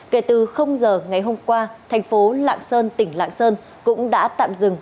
kể từ giờ ngày hôm qua thành phố lạng sơn tỉnh lạng sơn cũng đã tạm dừng